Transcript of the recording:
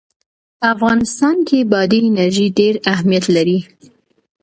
په افغانستان کې بادي انرژي ډېر اهمیت لري.